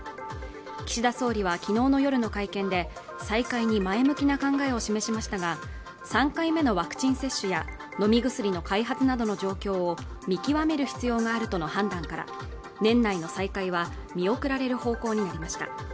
岸田総理は昨日の夜の会見で再開に前向きな考えを示しましたが３回目のワクチン接種や飲み薬の開発などの状況を見極める必要があるとの判断から年内の再開は見送られる方向になりました